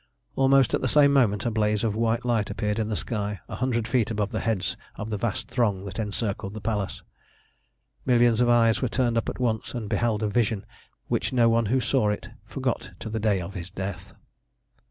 Almost at the same moment a blaze of white light appeared in the sky, a hundred feet above the heads of the vast throng that encircled the Palace. Millions of eyes were turned up at once, and beheld a vision which no one who saw it forgot to the day of his death.